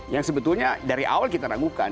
yang sebetulnya dari awal kita ragukan